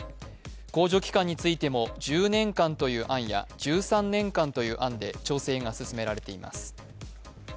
控除期間についても１０年間という案や１３年間という案で調整が進められています。